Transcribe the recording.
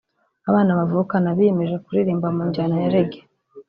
abana bavukana biyemeje kuririmba mu njyana ya Reggae